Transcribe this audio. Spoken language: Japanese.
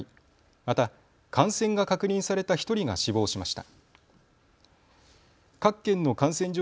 また感染が確認された１人が死亡しました。